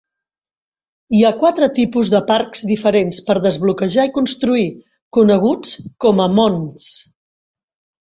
Hi ha quatre tipus de parcs diferents per desbloquejar i construir, coneguts com a mons.